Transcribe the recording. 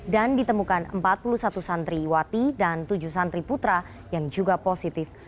dan ditemukan empat puluh satu santri wati dan tujuh santri putra yang juga positif